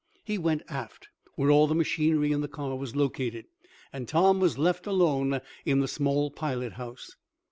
He went aft, where all the machinery in the car was located, and Tom was left alone in the small pilot house.